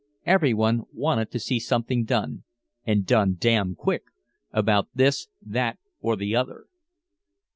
Everyone wanted to see something done and done damn quick about this, that or the other.